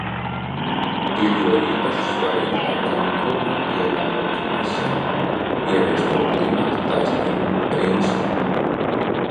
Ir jo īpaši svarīgi, lai Kankunā ievērotu nesen ieviesto klimata taisnīguma principu.